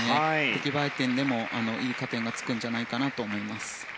出来栄え点でも、いい加点がつくんじゃないかなと思います。